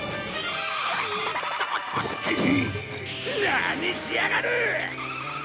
何しやがる！